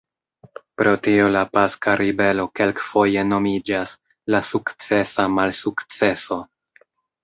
Pro tio, la Paska Ribelo kelkfoje nomiĝas "la sukcesa malsukceso".